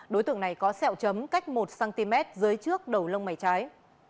đối tượng này có sẹo chấm cách một cm dưới trước đầu lông mày trái